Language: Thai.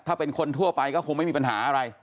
ถ้าเป็นคนทั่วไปก็คงไม่มีปัญหาอะไร